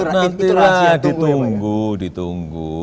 nanti lah ditunggu ditunggu